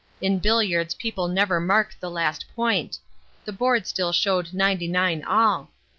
In billiards people never mark the last point. The board still showed ninety nine all.